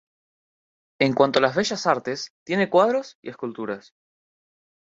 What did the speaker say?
En cuanto a las Bellas Artes, tiene cuadros y esculturas.